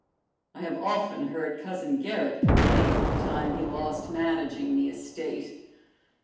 I have often heard Cousin Gerrit complain of the time he lost managing the estate.